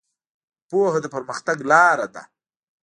پوهه د پرمختګ لاره ده.